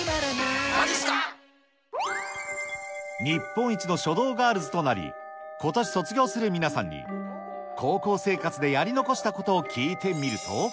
日本一の書道ガールズとなり、ことし卒業する皆さんに、高校生活でやり残したことを聞いてみると。